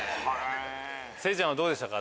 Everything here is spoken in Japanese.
聖ちゃんはどうでしたか？